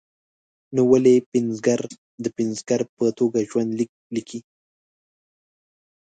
نو ولې پنځګر د پنځګر په توګه ژوند لیک لیکي.